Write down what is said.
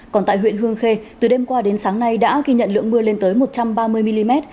còn tại huyện hương khê từ đêm qua đến sáng nay đã ghi nhận lượng mưa lên tới một trăm ba mươi mm